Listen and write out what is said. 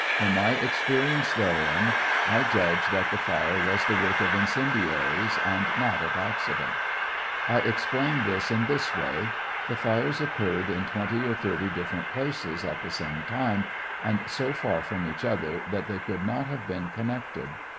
From my experience therein, 1 10 judge that the fire was the work of incendiaries and not of accident. j •++„ I explain this in this way : the fires occurred in twenty or thirty different places at the same time, and so tar from each other that they could not have been connect ed..